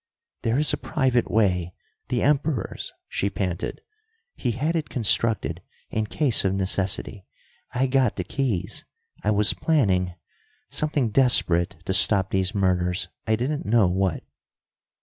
"There is a private way the Emperor's," she panted. "He had it constructed in case of necessity. I got the keys. I was planning something desperate to stop these murders; I didn't know what."